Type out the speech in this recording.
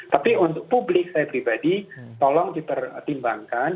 tapi untuk publik saya pribadi tolong dipertimbangkan